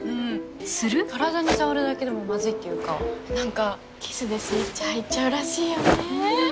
体に触るだけでもまずいっていうかなんかキスでスイッチ入っちゃうらしいよね